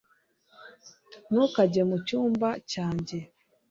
Ntukajye mucyumba cyanjye